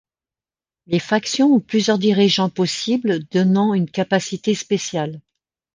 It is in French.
Les factions ont plusieurs dirigeants possibles, donnant une capacité spéciale.